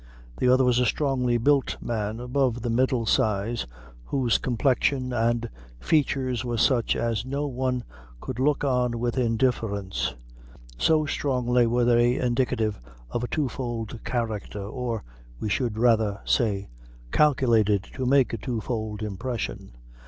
The other was a strongly built man, above the middle size, whose complexion and features were such as no one could look on with indifference, so strongly were they indicative of a twofold character, or, we should rather say, calculated to make a twofold impression.